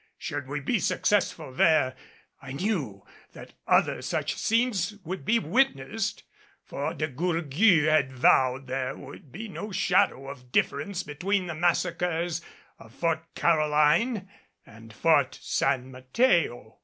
Should we be successful there, I knew that other such scenes would be witnessed, for De Gourgues had vowed there should be no shadow of difference between the massacres of Fort Caroline and Fort San Mateo.